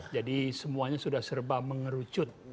jadi semuanya sudah serba mengerucut